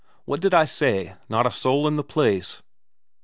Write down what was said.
"What did I say? Not a soul in the place."